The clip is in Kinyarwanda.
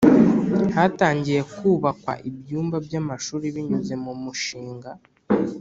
Hatangiye kubakwa ibyumba by amashuri binyuze mu mushinga